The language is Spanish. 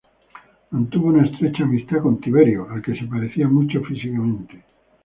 Mantuvo una estrecha amistad con Tiberio al que se parecía mucho físicamente.